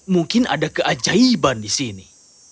mungkin ada keajaiban di sini